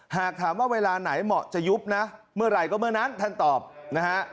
หากถามว่าเวลาไหนเหมาะจะยุบนะเมื่อไหร่ก็เมื่อนั้นท่านตอบนะฮะ